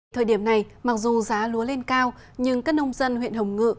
thời điểm này mặc dù giá lúa lên cao nhưng các nông dân huyện hồng ngự